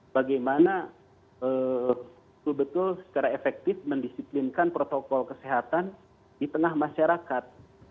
bagaimana betul betul secara efektif mendisiplinkan protokol kesehatan di tengah masyarakat